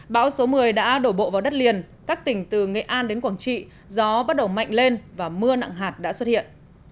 bão số một mươi đã đổ bộ vào đất liền các tỉnh từ nghệ an đến quảng trị gió bắt đầu mạnh lên và mưa nặng hạt đã xuất hiện